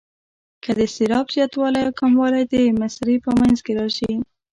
که د سېلاب زیاتوالی او کموالی د مصرع په منځ کې راشي.